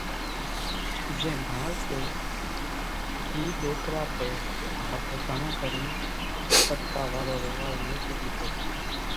زين ڀڻل سي اِي ڏوڪرا تو هويَ گھڻون ڪرين پٽڪا وارو رواز ميڪِي ۮيڌو سي۔